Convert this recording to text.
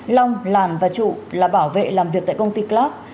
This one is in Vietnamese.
long làn và trụ là bảo vệ làm việc tại công ty club